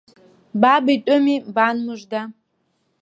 Баб итәыми, бан-мыжда.